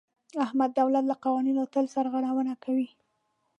احمد د دولت له قوانینو تل سرغړونه کوي.